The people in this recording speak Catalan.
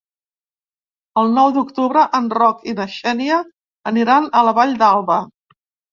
El nou d'octubre en Roc i na Xènia aniran a la Vall d'Alba.